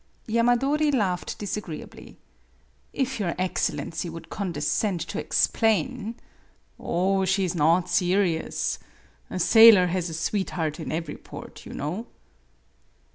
Yamadori laughed disagreeably. "If your Excellency would condescend to explain "" Oh, she is not serious. A sailor has a sweetheart in every port, you know."